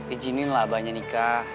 ijininlah abahnya nikah